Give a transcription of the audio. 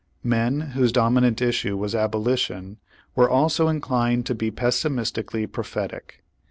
Men, whose dominant issue was abolition, were also inclined to be pessimistically prophetic.